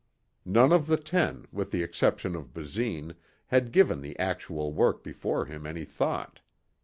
None of the ten with the exception of Basine had given the actual work before him any thought.